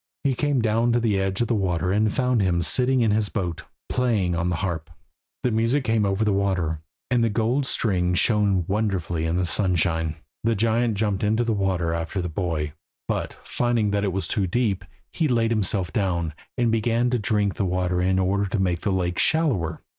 He came down to the edge of the water and found him sitting in his boat, playing on the harp. The music came over the water, and the gold strings shone wonderfully in the sunshine. The giant jumped into the water after the boy; but finding that it was too deep, he laid himself down, and began to drink the water in order to make the lake shallower.